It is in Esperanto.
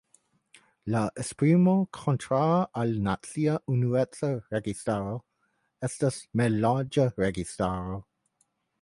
La esprimo kontraŭa al "nacia unueca registaro" estas "mallarĝa registaro".